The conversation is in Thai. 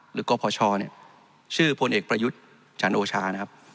หรือก็พอช่อชื่อพลเอกประยุทธ์จันโอชา